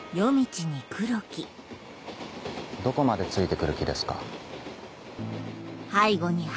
どこまでついて来る気ですか。